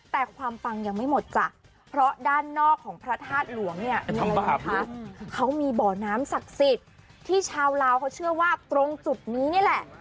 แต่ความปังยังไม่หมดจ้ะเพราะด้านนอกของพระธาตุหลวงเนี่ยมีอะไรรู้ไหมคะเขามีบ่อน้ำศักดิ์สิทธิ์ที่ชาวลาวเขาเชื่อว่าตรงจุดนี้นี่แหละ